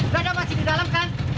berada masih di dalam kan